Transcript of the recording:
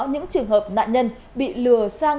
những trường hợp nạn nhân bị lừa sang